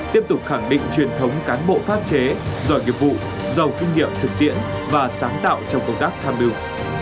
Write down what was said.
tiếp tục khẳng định truyền thống cán bộ pháp chế giỏi nghiệp vụ giàu kinh nghiệm thực tiễn và sáng tạo trong công tác tham mưu